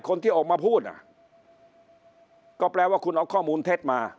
คนที่ออกมาพูดอ่ะก็แปลว่าคุณเอาข้อมูลเท็จมา